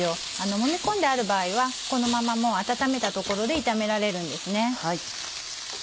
もみ込んである場合はこのまま温めたところで炒められるんですね。